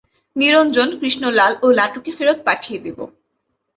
নিরঞ্জন, কৃষ্ণলাল ও লাটুকে ফেরত পাঠিয়ে দেব।